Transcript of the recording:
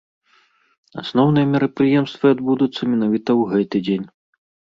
Асноўныя мерапрыемствы адбудуцца менавіта ў гэты дзень.